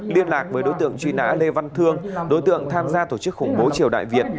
liên lạc với đối tượng truy nã lê văn thương đối tượng tham gia tổ chức khủng bố triều đại việt